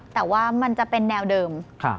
แต่ว่ามันจะเป็นแนวเดิม